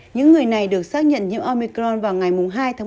những người này được xác nhận nhiễm omicron vào ngày hai tháng một mươi